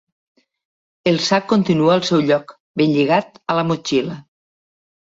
El sac continua al seu lloc, ben lligat a la motxilla.